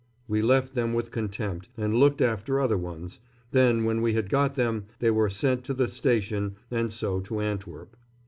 We left them with contempt, and looked after other ones. Then, when we had got them, they were sent to the station and so to Antwerp.